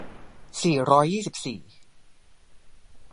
สี่ร้อยยี่สิบสี่